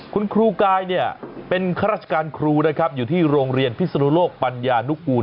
คุณครูกายเนี่ยเป็นข้าราชการครูนะครับอยู่ที่โรงเรียนพิศนุโลกปัญญานุกูล